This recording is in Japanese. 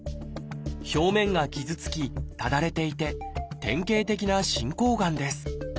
表面が傷つきただれていて典型的な進行がんです